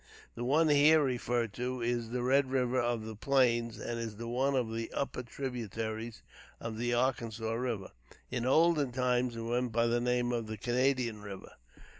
The one here referred to is the Red River of the plains, and is one of the upper tributaries of the Arkansas River. In olden times it went by the name of the Canadian River.